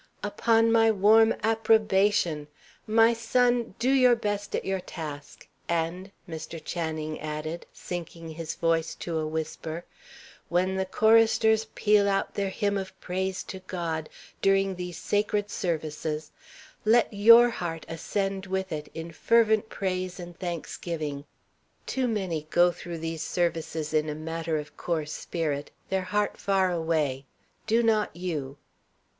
"Upon my warm approbation. My son, do your best at your task. And," Mr. Channing added, sinking his voice to a whisper, "when the choristers peal out their hymn of praise to God, during these sacred services, let your heart ascend with it in fervent praise and thanksgiving. Too many go through these services in a matter of course spirit, their heart far away. Do not you."